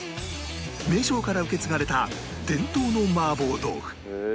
名匠から受け継がれた伝統の麻婆豆腐